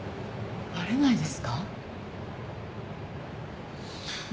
バレないですか？